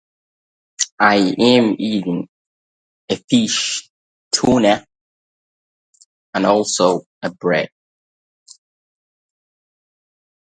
Both parents were members of the Denmark Place Baptist Chapel.